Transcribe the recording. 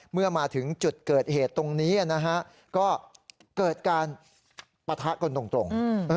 เมื่อมาถึงจุดเกิดเหตุตรงนี้นะฮะก็เกิดการปะทะกันตรง